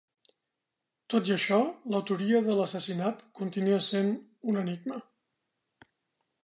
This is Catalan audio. Tot i això, l'autoria de l'assassinat continua sent un enigma.